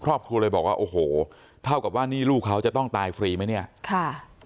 ครอบครัวเลยบอกว่าโอ้โหเท่ากับว่านี่ลูกเขาจะต้องตายฟรีไหมเนี่ยค่ะ